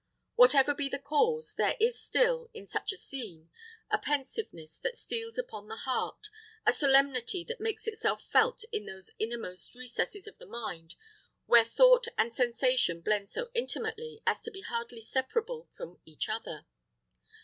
Whatever be the cause, there is still, in such a scene, a pensiveness that steals upon the heart; a solemnity that makes itself felt in those innermost recesses of the mind where thought and sensation blend so intimately as to be hardly separable from each other.